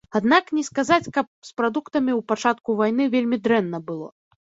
Аднак не сказаць, каб з прадуктамі ў пачатку вайны вельмі дрэнна было.